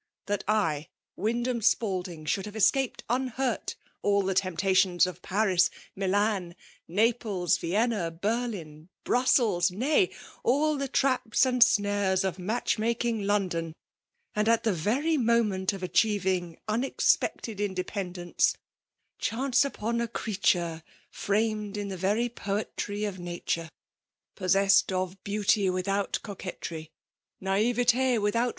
That /, Wyndham Spalding, should have escaped unhurt, all the temptations of Paris, Milan, Naples, Vienna* Berlin, Brussels, nay I all the traps and snares ef match making London, — and at the very momenit of achieving unexpected independence, chance upon ' a creature ' Framfd in the very poetry of Nature ;* SSA mm jjLSi oMmisAnaK ^Micnit.